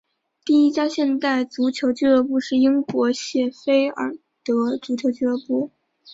第一家现代足球俱乐部是英国谢菲尔德足球俱乐部。